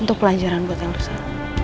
untuk pelajaran buat yang rusak